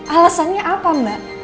alasannya apa mbak